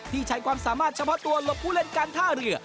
ใช้ความสามารถเฉพาะตัวหลบผู้เล่นการท่าเรือ